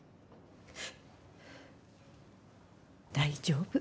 大丈夫。